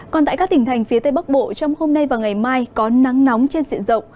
còn tại các tỉnh thành phía tây bắc bộ trong hôm nay và ngày mai có nắng nóng trên diện rộng